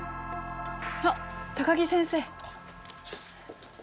あっ高木先生！